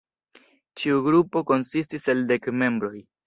Ĉiu grupo konsistis el dek membroj.